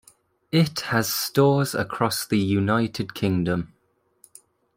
It has stores across the United Kingdom.